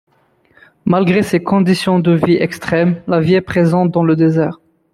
Malgré ces conditions de vie extrêmes, la vie est présente dans le désert.